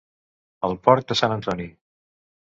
El porc de sant Antoni.